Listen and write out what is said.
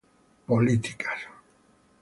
Políticas